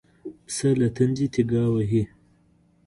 پسه له تندې تيګا وهي.